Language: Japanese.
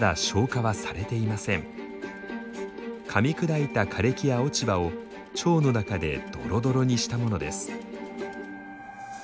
かみ砕いた枯れ木や落ち葉を腸の中でどろどろにしたものです。